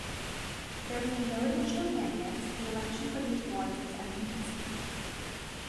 There being no additional candidates, the election for these Wards was uncontested.